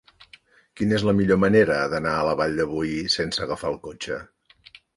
Quina és la millor manera d'anar a la Vall de Boí sense agafar el cotxe?